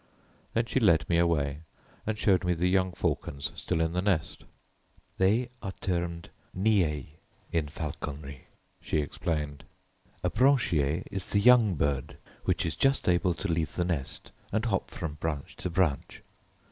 Then she led me away and showed me the young falcons still in the nest. "They are termed niais in falconry," she explained. "A branchier is the young bird which is just able to leave the nest and hop from branch to branch.